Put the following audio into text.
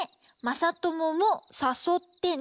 まさとももさそってね。